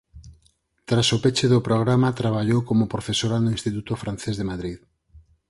Tras o peche do programa traballou como profesora no Instituto Francés de Madrid.